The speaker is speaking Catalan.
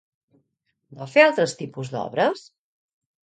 Va fer altres tipus d'obres?